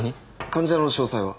患者の詳細は？